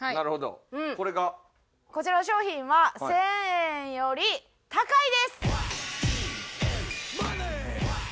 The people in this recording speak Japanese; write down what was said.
こちらの商品は１０００円より高いです。